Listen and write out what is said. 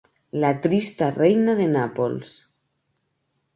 La trista reina de Nàpols.